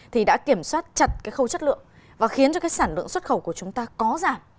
thì đã kiểm soát chặt cái khâu chất lượng và khiến cho cái sản lượng xuất khẩu của chúng ta có giảm